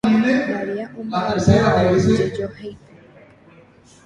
Maria omba'apo ao jejohéipe.